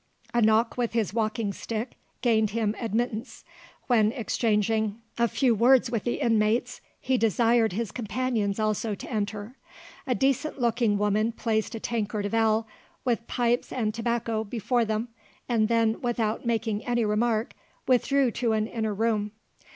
A knock with his walking stick gained him admittance, when exchanging a few words with the inmates, he desired his companions also to enter. A decent looking woman placed a tankard of ale, with pipes and tobacco, before them, and then, without making any remark, withdrew to an inner room.